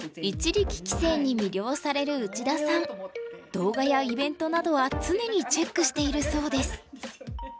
動画やイベントなどは常にチェックしているそうです。